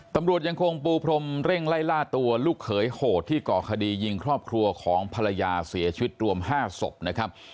ตำรวจยังคงปูพรมเร่งไล่ล่าตัวลูกเขยโหดที่ก่อคดียิงครอบครัวของภรรยาเสียชีวิตรวม๕ศพนะครับ